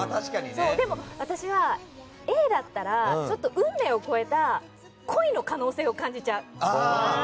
でも私はＡだったらちょっと運命を超えた恋の可能性を感じちゃう。